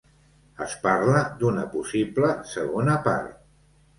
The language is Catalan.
Es parla d'una possible segona part.